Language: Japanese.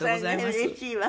うれしいわ。